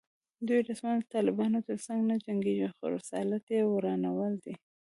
دوی رسماً د طالبانو تر څنګ نه جنګېږي خو رسالت یې ورانول دي